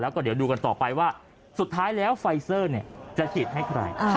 แล้วก็เดี๋ยวดูกันต่อไปว่าสุดท้ายแล้วไฟเซอร์จะฉีดให้ใคร